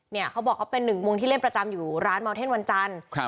เขาบอกเขาเป็นหนึ่งวงที่เล่นประจำอยู่ร้านเมาเท่นวันจันทร์